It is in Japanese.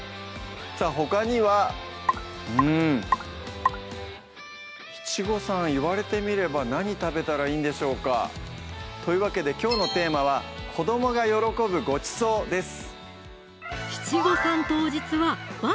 さぁほかにはうん七五三言われてみれば何食べたらいいんでしょうか？というわけできょうのテーマは「子どもが喜ぶごちそう」です